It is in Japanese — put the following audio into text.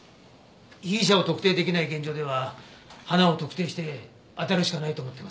被疑者を特定出来ない現状では花を特定して当たるしかないと思ってます。